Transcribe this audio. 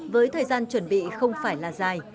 với thời gian chuẩn bị không phải là dài